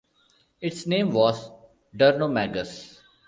Its name was "Durnomagus".